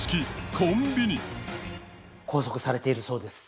拘束されているそうです。